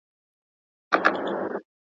اکثریت خلک چي په دلارام کي اوسیږي پښتانه دي.